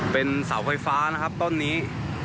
เป็นเกาะไฟฟ้าตัวนี้